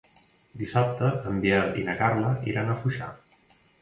Dissabte en Biel i na Carla iran a Foixà.